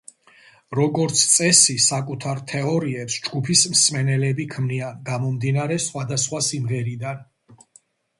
როგორც წესი, საკუთარ თეორიებს ჯგუფის მსმენელები ქმნიან, გამომდინარე სხვადასხვა სიმღერიდან.